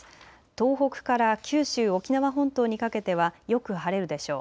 東北から九州、沖縄本島にかけてはよく晴れるでしょう。